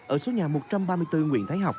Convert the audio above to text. ở số nhà một trăm ba mươi bốn nguyễn thái học